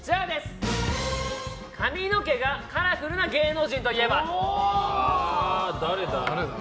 髪の毛がカラフルな芸能人といえば？